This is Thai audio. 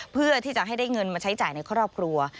เพื่อที่จะให้ได้เงินมาใช้จ่ายในครอบครัว